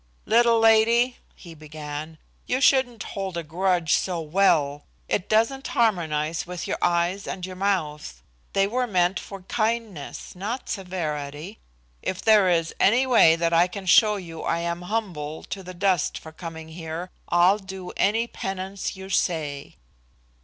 "Little lady," he began, "you shouldn't hold a grudge so well. It doesn't harmonize with your eyes and your mouth. They were meant for kindness, not severity. If there is any way that I can show you I am humbled to the dust for coming here I'll do any penance you say."